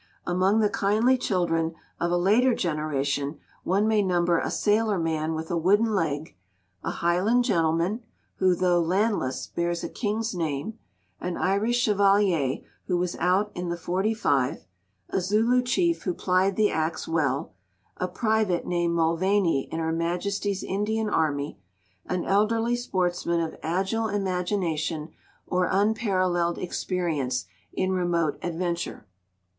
Among the kindly children of a later generation one may number a sailor man with a wooden leg; a Highland gentleman, who, though landless, bears a king's name; an Irish chevalier who was out in the '45; a Zulu chief who plied the axe well; a private named Mulvaney in Her Majesty's Indian army; an elderly sportsman of agile imagination or unparalleled experience in remote adventure.